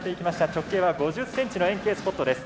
直径は５０ｃｍの円形スポットです。